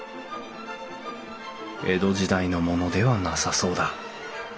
江戸時代のものではなさそうだ。